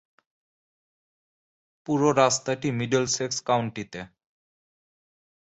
পুরো রাস্তাটি মিডলসেক্স কাউন্টিতে।